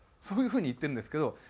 そういう風に言ってるんですけど